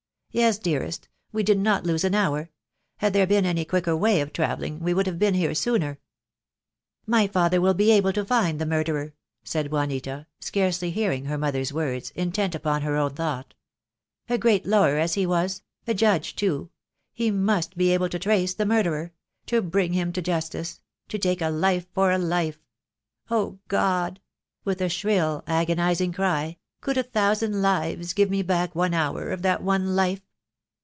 "Yes, dearest. We did not lose an hour. Had there been any quicker way of travelling we would have been here sooner." "My father will be able to find the murderer," said Juanita, scarcely hearing her mother's words, intent upon her own thought. "A great lawyer as he was; a judge, too; he must be able to trace the murderer — to bring him to justice — to take a life for a life. Oh, God!" with a shrill agonising cry, "could a thousand lives give me back one hour of that one life?